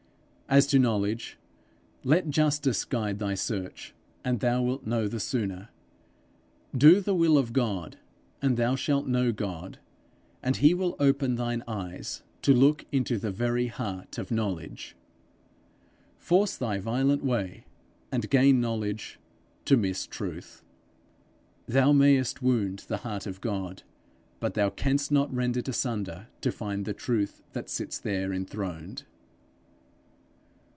As to knowledge, let justice guide thy search and thou wilt know the sooner. Do the will of God, and thou shalt know God, and he will open thine eyes to look into the very heart of knowledge. Force thy violent way, and gain knowledge, to miss truth. Thou mayest wound the heart of God, but thou canst not rend it asunder to find the Truth that sits there enthroned.